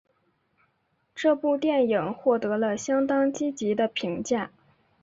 这部电影获得了相当积极的评价。